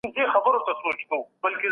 د کورټیزول زیاتوالی د مغز التهاب زیاتوي.